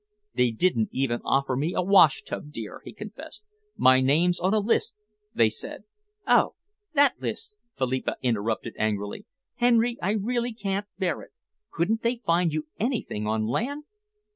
"They didn't even offer me a washtub, dear," he confessed. "My name's on a list, they said " "Oh, that list!" Philippa interrupted angrily. "Henry, I really can't bear it. Couldn't they find you anything on land?"